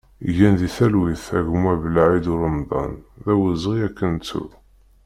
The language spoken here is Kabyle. Gen di talwit a gma Belaïd Uremḍan, d awezɣi ad k-nettu!